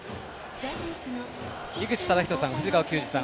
井口資仁さん、藤川球児さん